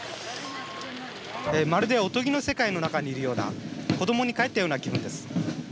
まるでおとぎの世界の中にいるような子どもにかえったような気分です。